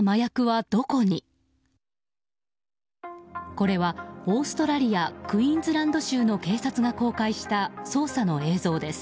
これは、オーストラリアクイーンズランド州の警察が公開した捜査の映像です。